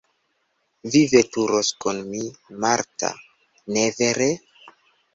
Vi veturos kun mi, Marta, ne vere?